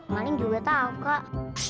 maling juga tau kak